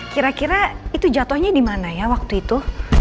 kira kira itu jatuhnya dimana ya waktu itu